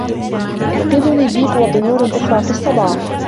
يوقظني الديك وطيور أخرى في الصباح.